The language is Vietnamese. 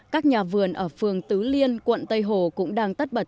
các nhà vườn ở phường tứ liên quận tây hồ cũng đang tất bật